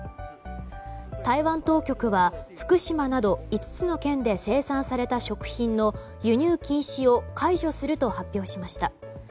台湾当局は福島など５つの県で生産された食品の輸入禁止を解除すると発表しました。